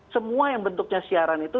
semua yang bentuknya siaran itu